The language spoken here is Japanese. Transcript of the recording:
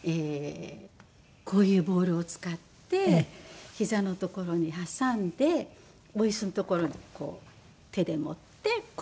こういうボールを使ってひざのところに挟んでお椅子のところにこう手で持ってこのまま。